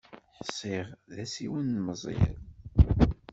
Ḥsiɣ d asiwel n Meẓyan.